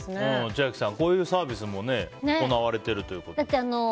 千秋さん、こういうサービスも行われてるということで。